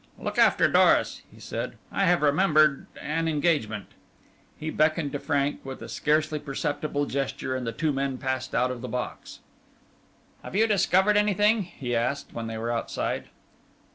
"Look after Doris," he said. "I have remembered an engagement." He beckoned Frank, with a scarcely perceptible gesture, and the two men passed out of the box. "Have you discovered anything?" he asked, when they were outside.